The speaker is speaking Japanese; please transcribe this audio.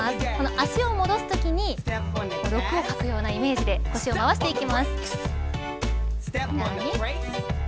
足を戻すときに６を描くようなイメージで腰を回していきます。